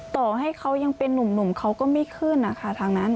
ต่อให้เขายังเป็นนุ่มเขาก็ไม่ขึ้นนะคะทางนั้น